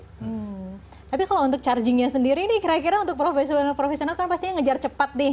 hmm tapi kalau untuk chargingnya sendiri nih kira kira untuk profesional profesional kan pastinya ngejar cepat deh